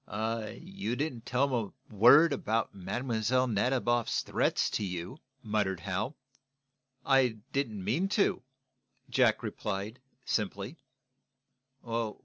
"You didn't tell them a word about Mlle. Nadiboff's threats to you," muttered Hal. "I didn't mean to," Jack replied, simply.